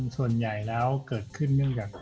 ส่วนใหญ่แล้วเกิดขึ้นเนื่องจาก